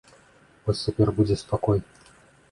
Вось цяпер будзе спакой.